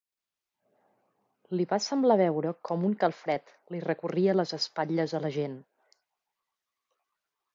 Li va sembla veure com un calfred li recorria les espatlles a l'Agent.